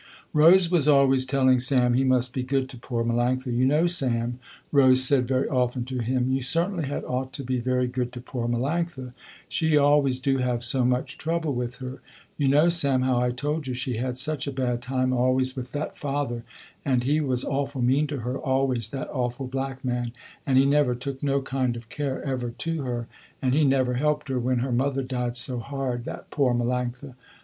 Rose was always telling Sam he must be good to poor Melanctha. "You know Sam," Rose said very often to him, "You certainly had ought to be very good to poor Melanctha, she always do have so much trouble with her. You know Sam how I told you she had such a bad time always with that father, and he was awful mean to her always that awful black man, and he never took no kind of care ever to her, and he never helped her when her mother died so hard, that poor Melanctha.